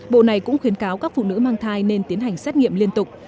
bộ này cũng khuyến cáo các phụ nữ mang thai nên tiến hành xét nghiệm liên tục